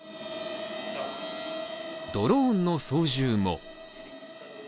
ドローンの操縦も。